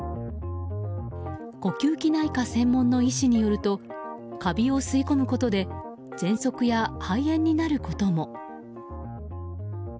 呼吸器内科専門の医師によるとカビを吸い込むことでぜんそくや肺炎になることも。